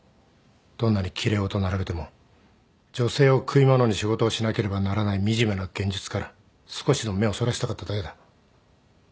どんなに奇麗事を並べても女性を食い物に仕事をしなければならない惨めな現実から少しでも目をそらしたかっただけだ。